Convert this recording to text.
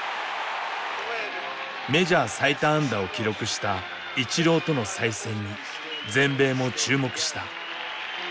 メジャー最多安打を記録したイチローとの再戦に全米も注目した。